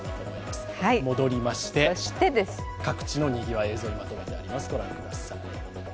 各地のにぎわい映像にまとめてあります。